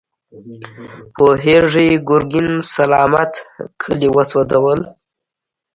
پوهېږې، ګرګين سلامت کلي وسوځول.